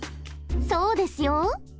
そうですよ。